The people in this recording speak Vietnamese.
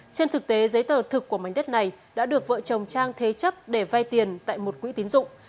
trên thực tế giấy tờ thực của mảnh đất này đã được vợ chồng trang thế chấp để vay tiền tại một quỹ tín dụng